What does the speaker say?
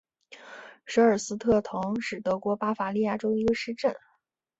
舍尔斯特滕是德国巴伐利亚州的一个市镇。